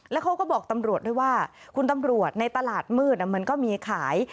แล้วเขาก็บอกตำรวจด้วยว่าคุณตำรวจในตลาดมืดมันก็มีขาย